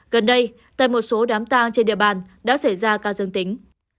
gần đây tại một số đám tang trên địa bàn đã xảy ra ca dân tính